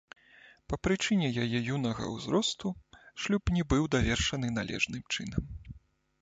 Па прычыне яе юнага ўзросту шлюб не быў давершаны належным чынам.